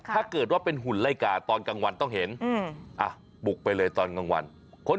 ถ้าเกิดว่าเป็นหุ่นไล่กาตอนกลางวันต้องเห็นบุกไปเลยตอนกลางวัน